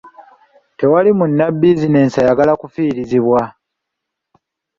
Tewali munnabizinensi ayagala kufiirizibwa.